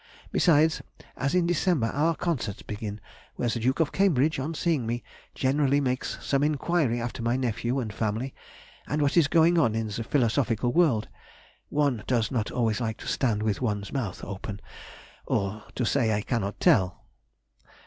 Besides, as in December our concerts begin, where the Duke of Cambridge, on seeing me, generally makes some inquiry after my nephew and family, and what is going on in the philosophical world, one does not always like to stand with one's mouth open, or to say I cannot tell!...